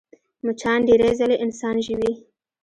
مچان ډېرې ځلې انسان ژوي